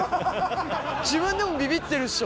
自分でもビビってるっしょ。